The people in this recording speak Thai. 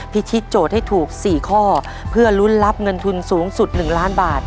ทิศโจทย์ให้ถูก๔ข้อเพื่อลุ้นรับเงินทุนสูงสุด๑ล้านบาท